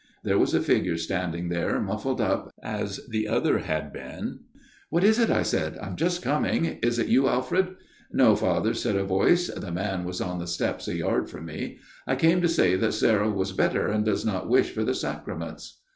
There was a figure standing there, muffled up as the other had been. "' What is it ?' I said, ' I am just coming. Is it you, Alfred ?'' No, Father,' said a voice the man was on the steps a yard from me ' I came to say that Sarah was better and does not wish for the Sacraments.'